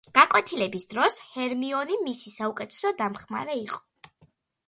გაკვეთილების დროს ჰერმიონი მისი საუკეთესო დამხმარე იყო.